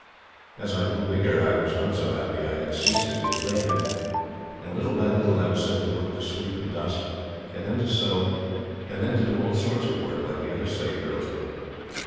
"As I grew bigger, I was not so happy. I had ceased to be a plaything, and little by little I was set to work to sweep and dust, and then to sew, and then to do all sorts of work, like the other slave girls.